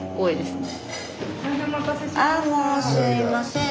すいません。